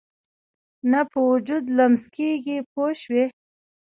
نه په وجود لمس کېږي پوه شوې!.